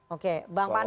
oke bang panel